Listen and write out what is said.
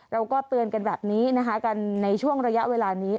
เราก็เตือนกันแบบนี้นะคะกันในช่วงระยะเวลานี้